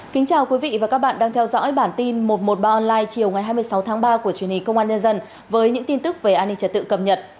kính chào quý vị và các bạn đang theo dõi bản tin một trăm một mươi ba online chiều ngày hai mươi sáu tháng ba của truyền hình công an nhân dân với những tin tức về an ninh trật tự cập nhật